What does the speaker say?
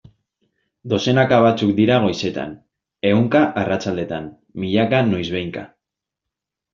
Dozenaka batzuk dira goizetan, ehunka arratsaldetan, milaka noizbehinka...